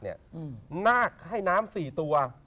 นาคให้น้ำ๔ตัว